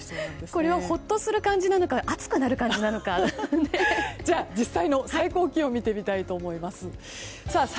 これをほっとする感じのなのか暑くなる感じなのか実際の最高気温を見てみましょう。